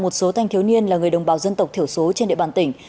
một số thanh thiếu niên là người đồng bào dân tộc thiểu số trên địa bàn tỉnh